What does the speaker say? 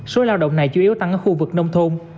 số lao động này chủ yếu tăng ở khu vực nông thôn